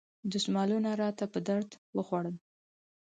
دستمالونو راته په درد وخوړل.